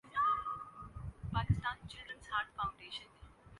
میرا خاندان بھی یہاں سینکڑوں سال سے آباد ہے